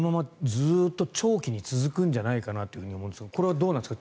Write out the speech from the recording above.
ずっと長期に続くんじゃないかなと思うんですがこれはどうなんですか。